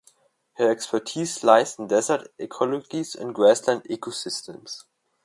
Her expertise lies in desert ecologies and grassland ecosystems.